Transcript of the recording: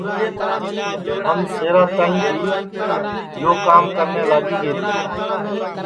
ہم شہرا تک بھی یو کام کرنے لاگی گے تیے